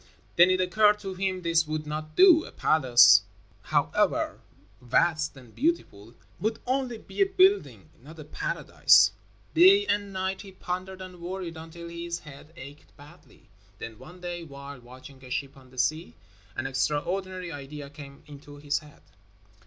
Then it occurred to him this would not do. A palace, however vast and beautiful, would only be a building, not a paradise. Day and night he pondered and worried until his head ached badly. Then one day, while watching a ship on the sea, an extraordinary idea came into his head.